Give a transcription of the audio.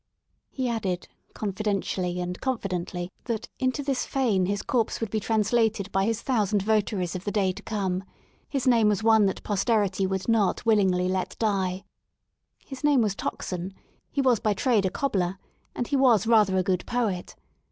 He added, confidentially and confidently that: into this fane his corpse would be translated by his thousand votaries of the day to come. His name was one that posterity would not willingly let die. His name was Tockson ; he was by trade a cobbler, and he was rather a good poet.